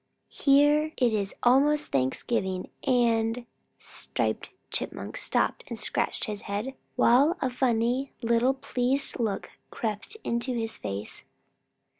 "Here it is almost Thanksgiving and " Striped Chipmunk stopped and scratched his head, while a funny little pleased look crept into his face.